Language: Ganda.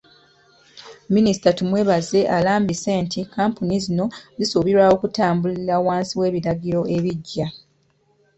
Minisita Tumwebaze alambise nti kkampuni zino zisuubirwa okutambulira wansi w'ebiragiro ebiggya.